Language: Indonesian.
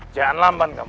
jangan lambat kamu